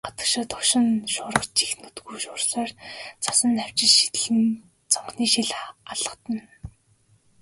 Гадаа догшин шуурга чих нүдгүй шуурсаар, цасан навчис шидлэн цонхны шил алгадна.